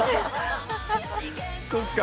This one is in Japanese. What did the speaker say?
そっか。